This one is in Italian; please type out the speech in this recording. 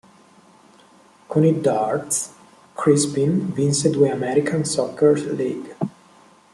Con i "Darts" Crispin vinse due American Soccer League.